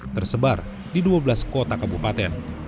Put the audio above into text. tersebar di dua belas kota kabupaten